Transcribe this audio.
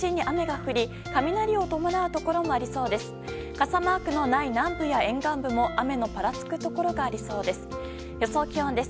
傘マークのない南部や沿岸部も雨のぱらつくところがありそうです。